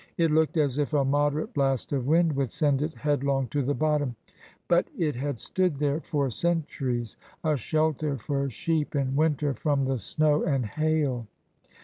It looked as if a moderate blast of wind would send it headlong to the bottom. But it had stood there for centuries, a shelter for sheep in winter from the snow and hail.